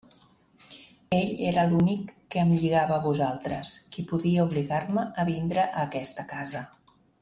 Ell era l'únic que em lligava a vosaltres, qui podia obligar-me a vindre a aquesta casa.